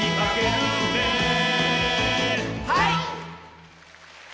はい！